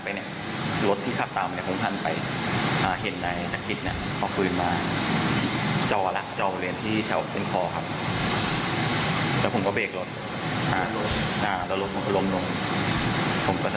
ผมก็แสดงตัวในที่เลื่องรวดครับแล้วก็ยิงความกันไปซ้องน้ำ